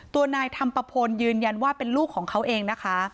ตัวนายธรรมปะพลยืนยันว่าเป็นลูกของเขาเองนะคะ